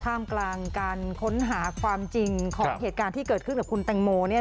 มกลางการค้นหาความจริงของเหตุการณ์ที่เกิดขึ้นกับคุณแตงโม